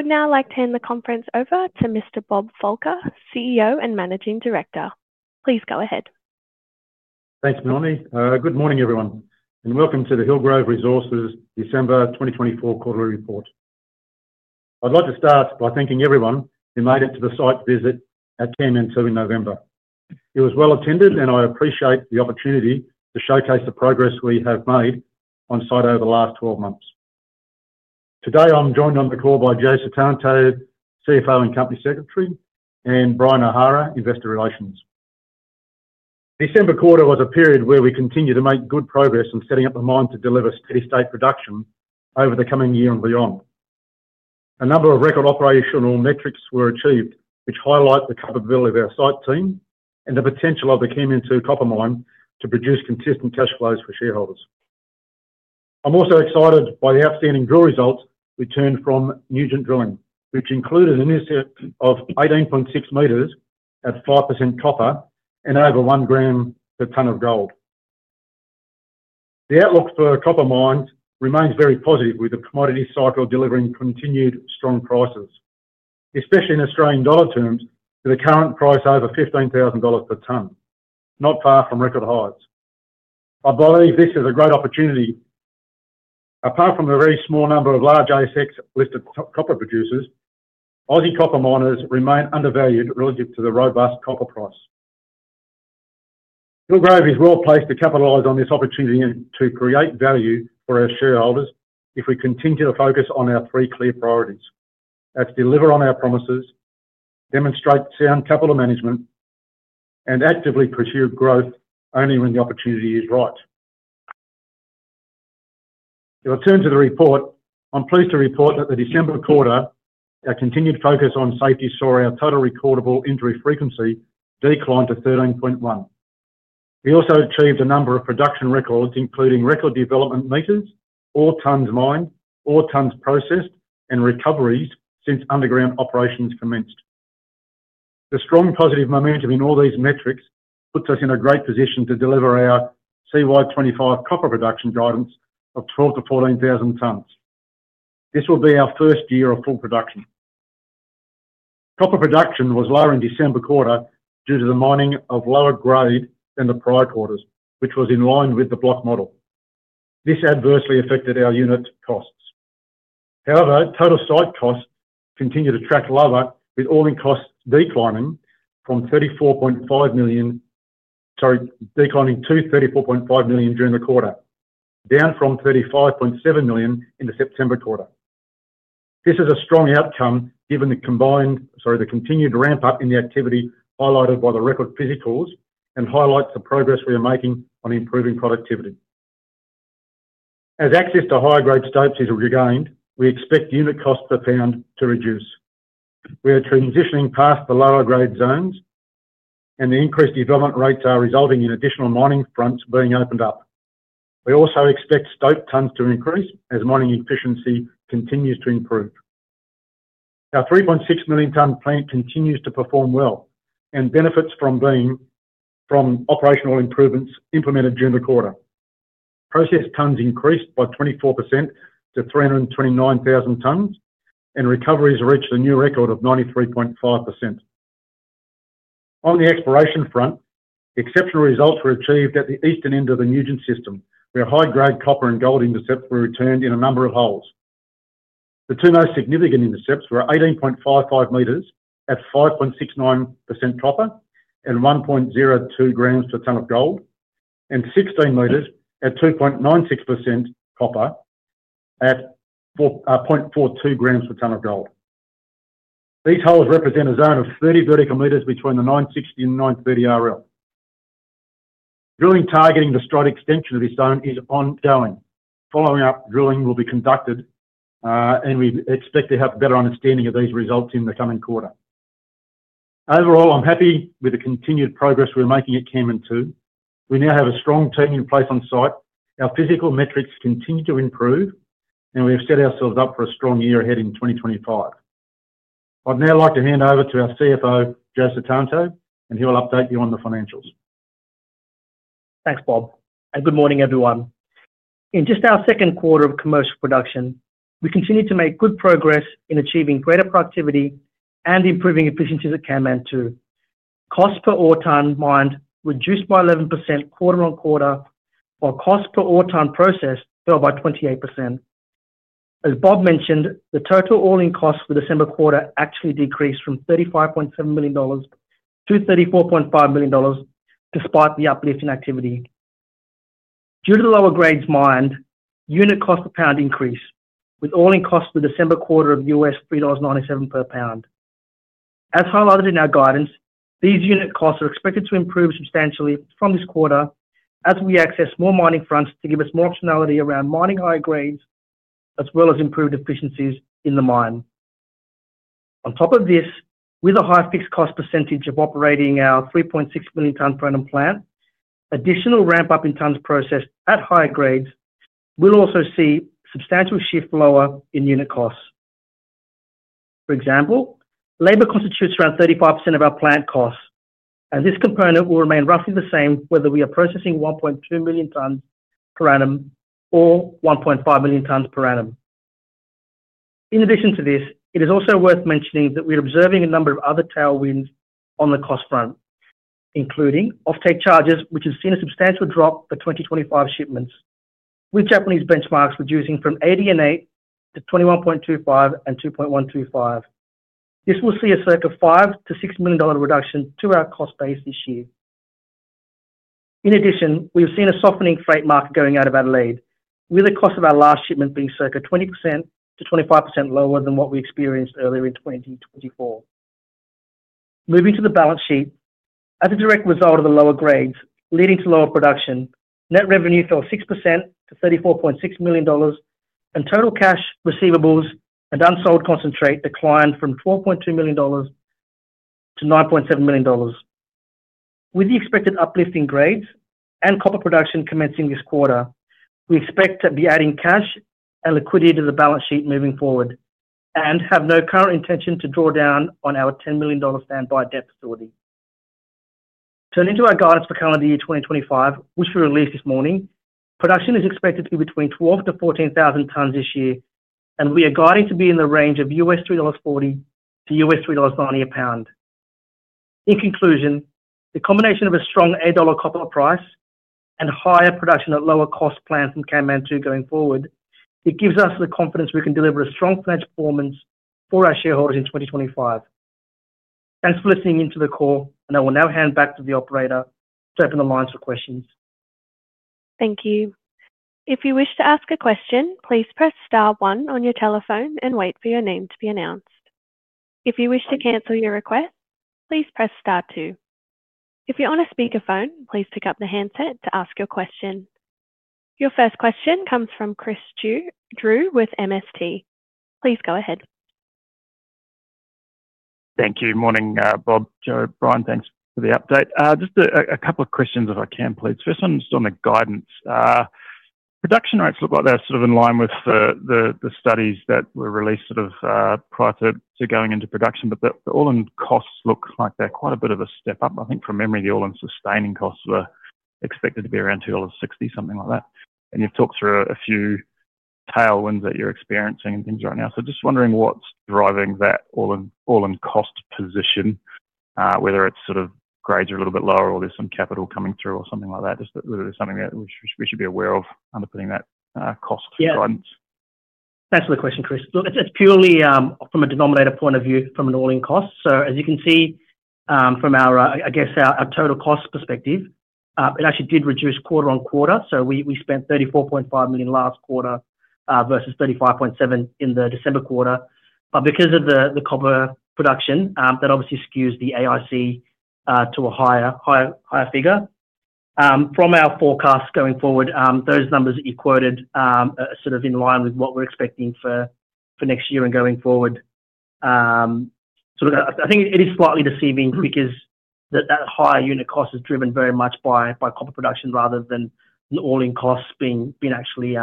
I would now like to hand the conference over to Mr. Bob Fulker, CEO and Managing Director. Please go ahead. Thanks, Melanie. Good morning, everyone, and welcome to the Hillgrove Resources December 2024 Quarterly Report. I'd like to start by thanking everyone who made it to the site visit at Kanmantoo in November. It was well attended, and I appreciate the opportunity to showcase the progress we have made on site over the last 12 months. Today, I'm joined on the call by Joe Sutanto, CFO and Company Secretary, and Brian O'Hara, Investor Relations. December quarter was a period where we continue to make good progress in setting up the mine to deliver steady state production over the coming year and beyond. A number of record operational metrics were achieved, which highlight the capability of our site team and the potential of the Kanmantoo copper mine to produce consistent cash flows for shareholders. I'm also excited by the outstanding drill results returned from new drilling, which included an intercept of 18.6 meters at 5% copper and over one gram per tonne of gold. The outlook for copper mines remains very positive, with the commodity cycle delivering continued strong prices, especially in Australian dollar terms to the current price over 15,000 dollars per tonne, not far from record highs. I believe this is a great opportunity. Apart from the very small number of large ASX-listed copper producers, Aussie copper miners remain undervalued relative to the robust copper price. Hillgrove is well placed to capitalize on this opportunity to create value for our shareholders if we continue to focus on our three clear priorities: deliver on our promises, demonstrate sound capital management, and actively pursue growth only when the opportunity is right. If I turn to the report, I'm pleased to report that the December quarter, our continued focus on safety saw our total recordable injury frequency decline to 13.1. We also achieved a number of production records, including record development meters, ore tonnes mined, ore tonnes processed, and recoveries since underground operations commenced. The strong positive momentum in all these metrics puts us in a great position to deliver our CY25 copper production guidance of 12,000-14,000 tonnes. This will be our first year of full production. Copper production was lower in December quarter due to the mining of lower grade than the prior quarters, which was in line with the block model. This adversely affected our unit costs. However, total site costs continue to track lower, with operating costs declining to 23.45 million during the quarter, down from 35.7 million in the September quarter. This is a strong outcome given the continued ramp-up in the activity highlighted by the record physicals and highlights the progress we are making on improving productivity. As access to higher grade stopes is regained, we expect unit cost per pound to reduce. We are transitioning past the lower grade zones, and the increased development rates are resulting in additional mining fronts being opened up. We also expect stope tonnes to increase as mining efficiency continues to improve. Our 3.6 million tonne plant continues to perform well and benefits from operational improvements implemented during the quarter. Processed tonnes increased by 24% to 329,000 tonnes, and recoveries reached a new record of 93.5%. On the exploration front, exceptional results were achieved at the eastern end of the new system where high grade copper and gold intercepts were returned in a number of holes. The two most significant intercepts were 18.55 meters at 5.69% copper and 1.02 grams per tonne of gold, and 16 meters at 2.96% copper at 0.42 grams per tonne of gold. These holes represent a zone of 30 vertical meters between the 960 and 930 RL. Drilling targeting the strike extension of this zone is ongoing. Follow-up drilling will be conducted, and we expect to have a better understanding of these results in the coming quarter. Overall, I'm happy with the continued progress we're making at Kanmantoo. We now have a strong team in place on site. Our physical metrics continue to improve, and we have set ourselves up for a strong year ahead in 2025. I'd now like to hand over to our CFO, Joe Sutanto, and he'll update you on the financials. Thanks, Bob. And good morning, everyone. In just our second quarter of commercial production, we continue to make good progress in achieving greater productivity and improving efficiencies at Kanmantoo. Cost per ore tonne mined reduced by 11% quarter on quarter, while cost per ore tonne processed fell by 28%. As Bob mentioned, the total all-in costs for December quarter actually decreased from 35.7 million dollars to 34.5 million dollars despite the uplift in activity. Due to the lower grades mined, unit cost per pound increased, with all-in costs for December quarter of $3.97 per pound. As highlighted in our guidance, these unit costs are expected to improve substantially from this quarter as we access more mining fronts to give us more optionality around mining higher grades as well as improved efficiencies in the mine. On top of this, with a high fixed cost percentage of operating our 3.6 million tonne per annum plant, additional ramp-up in tonnes processed at higher grades will also see substantial shift lower in unit costs. For example, labor constitutes around 35% of our plant costs, and this component will remain roughly the same whether we are processing 1.2 million tonnes per annum or 1.5 million tonnes per annum. In addition to this, it is also worth mentioning that we're observing a number of other tailwinds on the cost front, including off-take charges, which have seen a substantial drop for 2025 shipments, with Japanese benchmarks reducing from 88 to 21.25 and 2.125. This will see a circa 5 million-6 million dollar reduction to our cost base this year. In addition, we've seen a softening freight market going out of Adelaide, with the cost of our last shipment being circa 20%-25% lower than what we experienced earlier in 2024. Moving to the balance sheet, as a direct result of the lower grades leading to lower production, net revenue fell 6% to 34.6 million dollars, and total cash receivables and unsold concentrate declined from 12.2 million-9.7 million dollars. With the expected uplift in grades and copper production commencing this quarter, we expect to be adding cash and liquidity to the balance sheet moving forward and have no current intention to draw down on our 10 million dollar standby debt facility. Turning to our guidance for calendar year 2025, which we released this morning, production is expected to be between 12,000-14,000 tonnes this year, and we are guiding to be in the range of $3.40-$3.90 a pound. In conclusion, the combination of a strong A-dollar copper price and higher production at lower cost plans from Kanmantoo going forward gives us the confidence we can deliver a strong financial performance for our shareholders in 2025. Thanks for listening in to the call, and I will now hand back to the operator to open the lines for questions. Thank you. If you wish to ask a question, please press star one on your telephone and wait for your name to be announced. If you wish to cancel your request, please press star two. If you're on a speakerphone, please pick up the handset to ask your question. Your first question comes from Chris Drew with MST. Please go ahead. Thank you. Morning, Bob, Joe, Brian. Thanks for the update. Just a couple of questions, if I can, please. First one is on the guidance. Production rates look like they're sort of in line with the studies that were released sort of prior to going into production, but the all-in costs look like they're quite a bit of a step up. I think from memory, the all-in sustaining costs were expected to be around 2.60, something like that. And you've talked through a few tailwinds that you're experiencing and things right now. So just wondering what's driving that all-in cost position, whether it's sort of grades are a little bit lower or there's some capital coming through or something like that. Just that there's something that we should be aware of underpinning that cost guidance. Yeah. Thanks for the question, Chris. Look, it's purely from a denominator point of view from an all-in cost. So as you can see from our, I guess, our total cost perspective, it actually did reduce quarter on quarter. So we spent 34.5 million last quarter versus 35.7 million in the December quarter. But because of the copper production, that obviously skews the AIC to a higher figure. From our forecasts going forward, those numbers that you quoted are sort of in line with what we're expecting for next year and going forward. So I think it is slightly deceiving because that higher unit cost is driven very much by copper production rather than the all-in costs being actually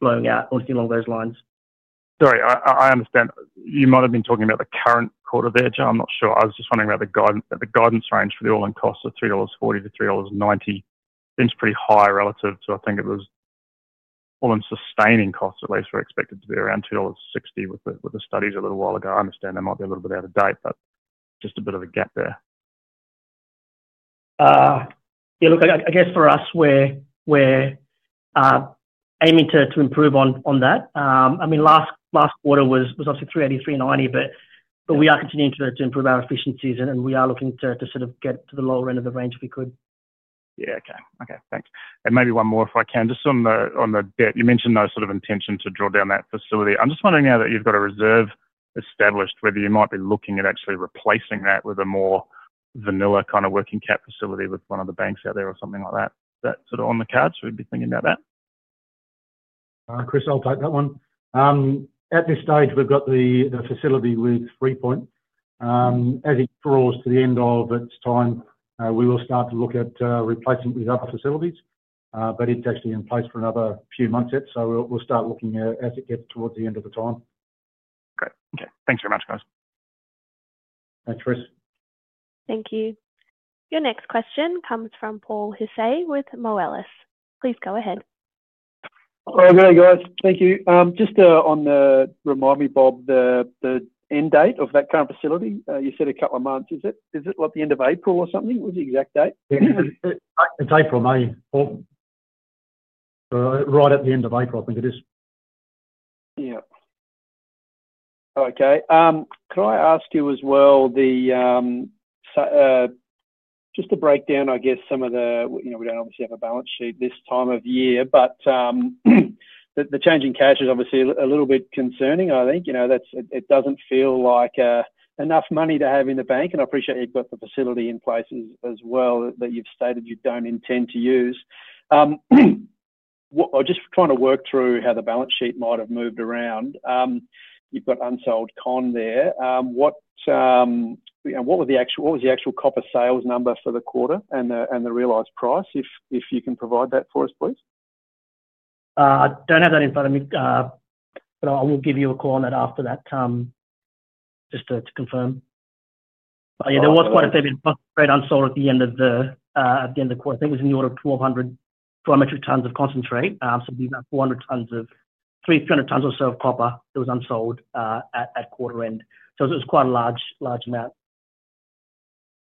blowing out or anything along those lines. Sorry, I understand. You might have been talking about the current quarter there, Joe. I'm not sure. I was just wondering about the guidance range for the AISC of 3.40-3.90 dollars. Seems pretty high relative to, I think it was AISC at least were expected to be around 2.60 dollars with the studies a little while ago. I understand they might be a little bit out of date, but just a bit of a gap there. Yeah, look, I guess for us, we're aiming to improve on that. I mean, last quarter was obviously 380-390, but we are continuing to improve our efficiencies, and we are looking to sort of get to the lower end of the range if we could. Yeah, okay. Okay, thanks. And maybe one more if I can. Just on the debt, you mentioned no sort of intention to draw down that facility. I'm just wondering now that you've got a reserve established, whether you might be looking at actually replacing that with a more vanilla kind of working cap facility with one of the banks out there or something like that. Is that sort of on the cards? We'd be thinking about that. Chris, I'll take that one. At this stage, we've got the facility with Freepoint. As it draws to the end of its time, we will start to look at replacing with other facilities, but it's actually in place for another few months yet. So we'll start looking at it as it gets towards the end of the time. Great. Okay. Thanks very much, guys. Thanks, Chris. Thank you. Your next question comes from Paul Hissey with Moelis. Please go ahead. Hello there, guys. Thank you. Just to remind me, Bob, the end date of that current facility, you said a couple of months. Is it like the end of April or something? What's the exact date? It's April, May. Right at the end of April, I think it is. Yeah. Okay. Could I ask you as well, just to break down, I guess, some of the we don't obviously have a balance sheet this time of year, but the change in cash is obviously a little bit concerning, I think. It doesn't feel like enough money to have in the bank, and I appreciate you've got the facility in place as well that you've stated you don't intend to use. I'm just trying to work through how the balance sheet might have moved around. You've got unsold con there. What was the actual copper sales number for the quarter and the realized price? If you can provide that for us, please. I don't have that in front of me, but I will give you a call on that after that just to confirm. But yeah, there was quite a fair bit of concentrate unsold at the end of the quarter. I think it was in the order of 1,200 dry metric tonnes of concentrate. So it'd be about 400 tonnes or 300 tonnes or so of copper that was unsold at quarter end. So it was quite a large amount.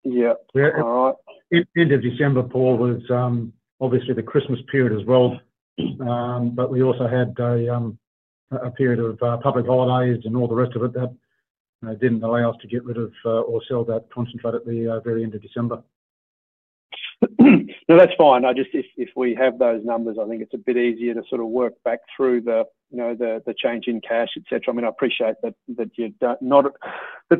Yeah. Yeah. All right. End of December, Paul, was obviously the Christmas period as well. But we also had a period of public holidays and all the rest of it that didn't allow us to get rid of or sell that concentrate at the very end of December. No, that's fine. If we have those numbers, I think it's a bit easier to sort of work back through the change in cash, etc. I mean, I appreciate that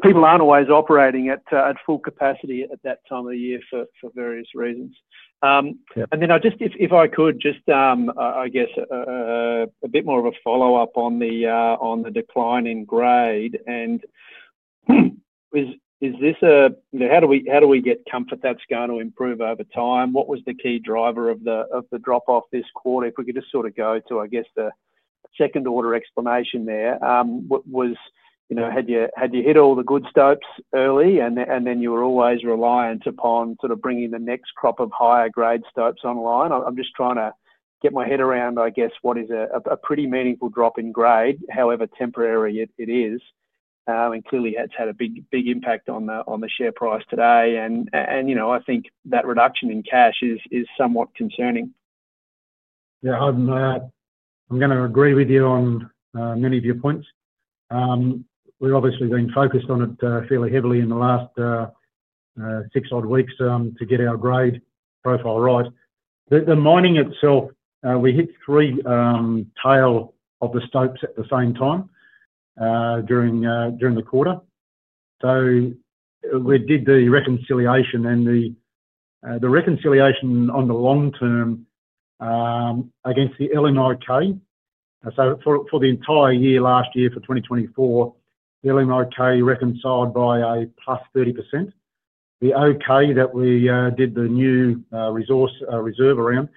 people aren't always operating at full capacity at that time of the year for various reasons. And then just if I could, just I guess a bit more of a follow-up on the decline in grade. And is this a how do we get comfort that's going to improve over time? What was the key driver of the drop-off this quarter? If we could just sort of go to, I guess, the second order explanation there, had you hit all the good stopes early, and then you were always reliant upon sort of bringing the next crop of higher grade stopes online? I'm just trying to get my head around, I guess, what is a pretty meaningful drop in grade, however temporary it is. And clearly, that's had a big impact on the share price today. And I think that reduction in cash is somewhat concerning. Yeah, I'm going to agree with you on many of your points. We've obviously been focused on it fairly heavily in the last six odd weeks to get our grade profile right. The mining itself, we hit three tails of the stope at the same time during the quarter. So we did the reconciliation, and the reconciliation on the long-term against the LNOK. So for the entire year last year for 2024, the LNOK reconciled by a plus 30%. The OK that we did the new reserve around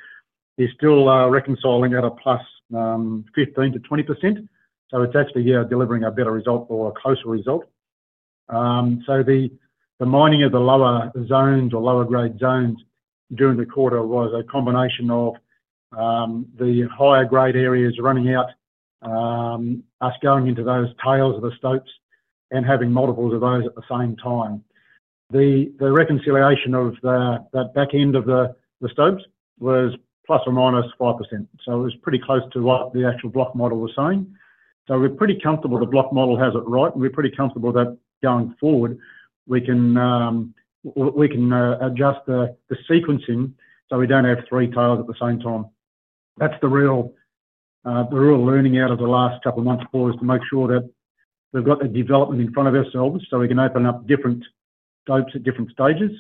is still reconciling at a plus 15%-20%. So it's actually delivering a better result or a closer result. So the mining of the lower zones or lower grade zones during the quarter was a combination of the higher grade areas running out, us going into those tails of the stope and having multiples of those at the same time. The reconciliation of that back end of the stopes was plus or minus 5%. So it was pretty close to what the actual block model was saying. So we're pretty comfortable the block model has it right, and we're pretty comfortable that going forward, we can adjust the sequencing so we don't have three tails at the same time. That's the real learning out of the last couple of months, Paul, is to make sure that we've got the development in front of ourselves so we can open up different stopes at different stages.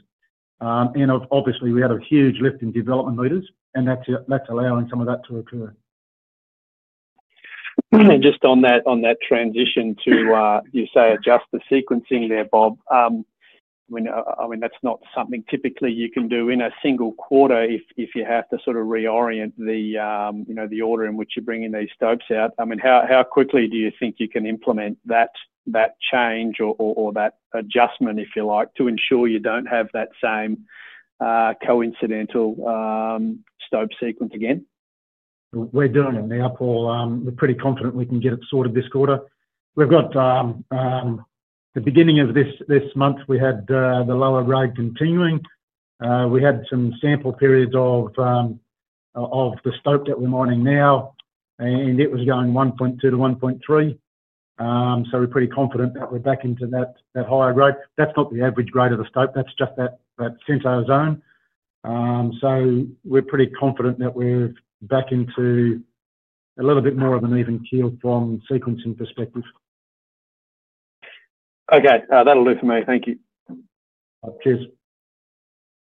And obviously, we had a huge lift in development meters, and that's allowing some of that to occur. Just on that transition to, you say, adjust the sequencing there, Bob, I mean, that's not something typically you can do in a single quarter if you have to sort of reorient the order in which you're bringing these stopes out. I mean, how quickly do you think you can implement that change or that adjustment, if you like, to ensure you don't have that same coincidental stope sequence again? We're doing it now, Paul. We're pretty confident we can get it sorted this quarter. We've got the beginning of this month, we had the lower grade continuing. We had some sample periods of the stope that we're mining now, and it was going 1.2-1.3. So we're pretty confident that we're back into that higher grade. That's not the average grade of the stope. That's just that center zone. So we're pretty confident that we're back into a little bit more of an even keel from sequencing perspective. Okay. That'll do for me. Thank you. Cheers.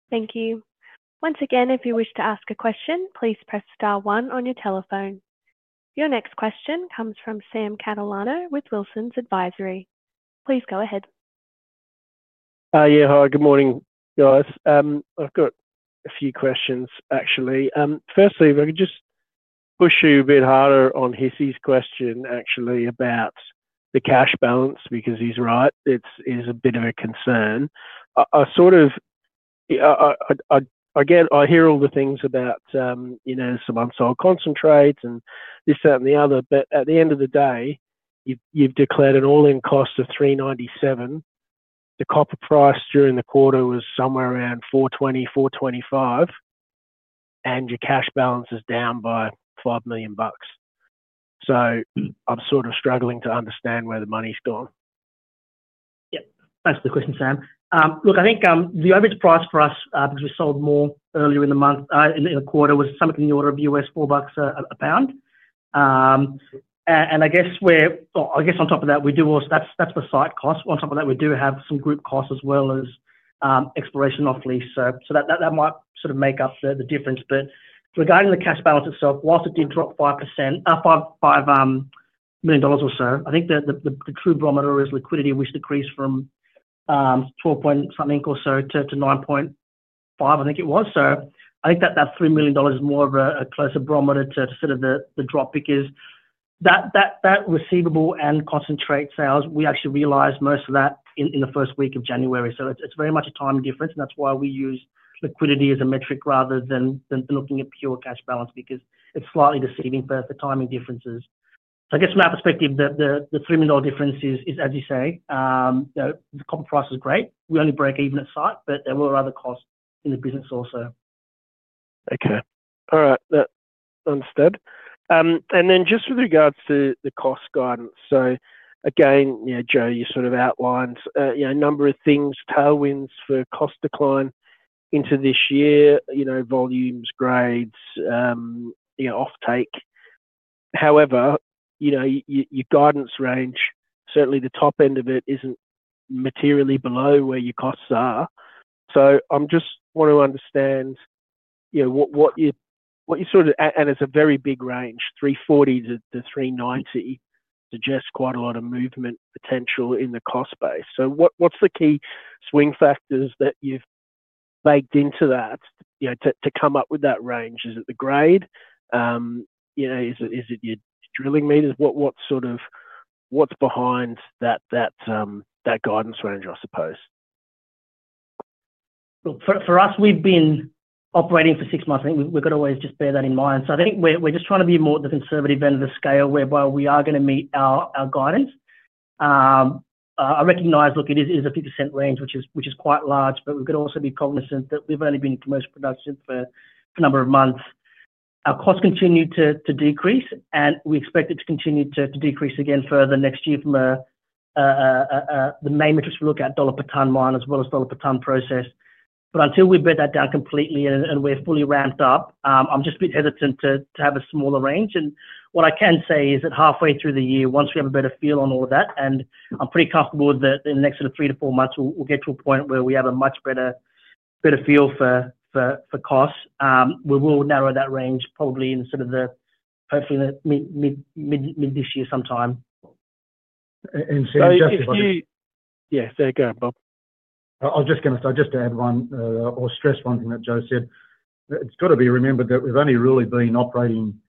Thank you. Once again, if you wish to ask a question, please press star one on your telephone. Your next question comes from Sam Catalano with Wilsons Advisory. Please go ahead. Yeah, hi. Good morning, guys. I've got a few questions, actually. Firstly, if I could just push you a bit harder on Hissey's question, actually, about the cash balance, because he's right. It is a bit of a concern. I sort of, again, I hear all the things about some unsold concentrates and this, that, and the other, but at the end of the day, you've declared an all-in cost of 397. The copper price during the quarter was somewhere around 420-425, and your cash balance is down by 5 million bucks. So I'm sort of struggling to understand where the money's gone. Yeah. Thanks for the question, Sam. Look, I think the average price for us, because we sold more earlier in the month, in the quarter, was something in the order of $4 a pound. And I guess on top of that, we do also, that's the site cost. On top of that, we do have some group costs as well as exploration off-lease. So that might sort of make up the difference. But regarding the cash balance itself, while it did drop $5 million or so, I think the true barometer is liquidity, which decreased from 12 point something or so to 9.5, I think it was. So I think that $3 million is more of a closer barometer to sort of the drop, because that receivable and concentrate sales, we actually realized most of that in the first week of January. It's very much a time difference, and that's why we use liquidity as a metric rather than looking at pure cash balance, because it's slightly deceiving for the timing differences. So I guess from that perspective, the 3 million dollar difference is, as you say, the copper price was great. We only broke even at site, but there were other costs in the business also. Okay. All right. That's understood. And then just with regards to the cost guidance. So again, Joe, you sort of outlined a number of things, tailwinds for cost decline into this year, volumes, grades, off-take. However, your guidance range, certainly the top end of it, isn't materially below where your costs are. So I just want to understand what you sort of and it's a very big range, 340-390, suggests quite a lot of movement potential in the cost base. So what's the key swing factors that you've baked into that to come up with that range? Is it the grade? Is it your drilling meters? What's behind that guidance range, I suppose? For us, we've been operating for six months. I think we've got to always just bear that in mind. So I think we're just trying to be more at the conservative end of the scale whereby we are going to meet our guidance. I recognize it is a 50% range, which is quite large, but we've got to also be cognizant that we've only been in commercial production for a number of months. Our costs continue to decrease, and we expect it to continue to decrease again further next year from the main metrics we look at, AUD per tonne mine, as well as AUD per tonne process. But until we break that down completely and we're fully ramped up, I'm just a bit hesitant to have a smaller range. And what I can say is that halfway through the year, once we have a better feel on all of that, and I'm pretty comfortable that in the next sort of three to four months, we'll get to a point where we have a much better feel for costs, we will narrow that range probably in sort of the hopefully mid this year sometime. And Sam. Just to. So if you. Yeah, there you go, Bob. I'm just going to say just to add one or stress one thing that Joe said. It's got to be remembered that we've only really been operating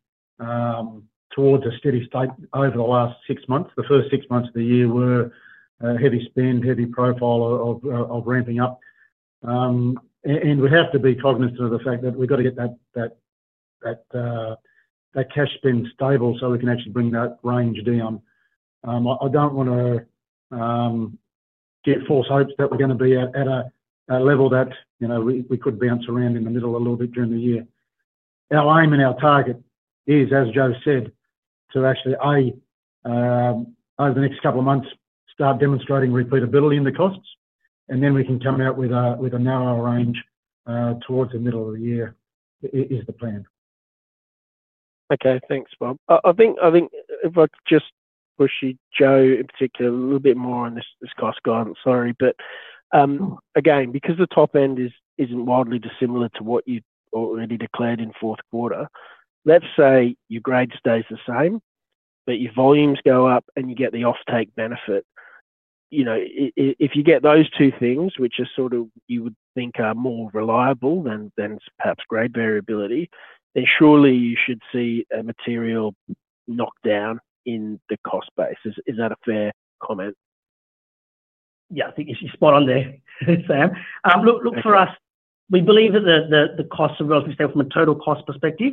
towards a steady state over the last six months. The first six months of the year were heavy spend, heavy profile of ramping up, and we have to be cognizant of the fact that we've got to get that cash spend stable so we can actually bring that range down. I don't want to get false hopes that we're going to be at a level that we could bounce around in the middle a little bit during the year. Our aim and our target is, as Joe said, to actually, over the next couple of months, start demonstrating repeatability in the costs, and then we can come out with a narrower range towards the middle of the year, is the plan. Okay. Thanks, Bob. I think if I could just push you, Joe in particular, a little bit more on this cost guidance, sorry. But again, because the top end isn't wildly dissimilar to what you already declared in fourth quarter, let's say your grade stays the same, but your volumes go up and you get the off-take benefit. If you get those two things, which are sort of you would think are more reliable than perhaps grade variability, then surely you should see a material knockdown in the cost base. Is that a fair comment? Yeah, I think you're spot on there, Sam. Look, for us, we believe that the costs are relatively stable from a total cost perspective,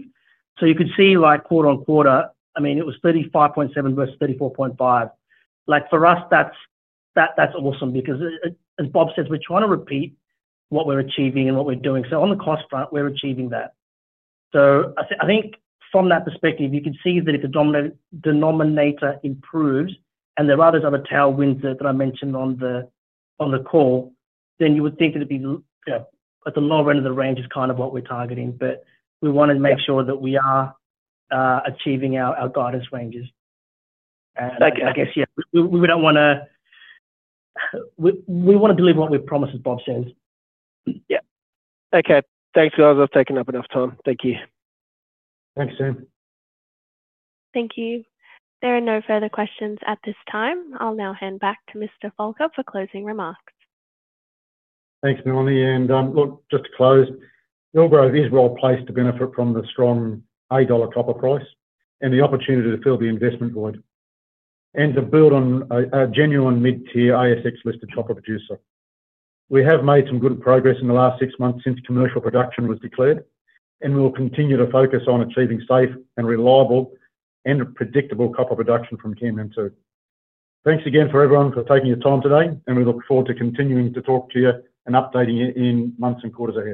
so you could see quarter on quarter, I mean, it was 35.7 versus 34.5. For us, that's awesome because, as Bob says, we're trying to repeat what we're achieving and what we're doing, so on the cost front, we're achieving that. So I think from that perspective, you can see that if the denominator improves and there are those other tailwinds that I mentioned on the call, then you would think that it'd be at the lower end of the range is kind of what we're targeting. But we want to make sure that we are achieving our guidance ranges, and I guess, yeah, we don't want to, we want to deliver what we promise, as Bob says. Yeah. Okay. Thanks, guys. I've taken up enough time. Thank you. Thanks, Sam. Thank you. There are no further questions at this time. I'll now hand back to Mr. Fulker for closing remarks. Thanks, Melanie. And look, just to close, Hillgrove is well-placed to benefit from the strong $8 copper price and the opportunity to fill the investment void and to build on a genuine mid-tier ASX-listed copper producer. We have made some good progress in the last six months since commercial production was declared, and we'll continue to focus on achieving safe and reliable and predictable copper production from Kanmantoo. Thanks again for everyone for taking your time today, and we look forward to continuing to talk to you and updating you in months and quarters.